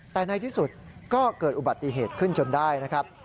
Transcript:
แต่ในที่สุดก็เกิดอุบัติเหตุขึ้นจนได้นะครับ